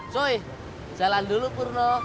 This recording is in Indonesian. cuy jalan dulu purno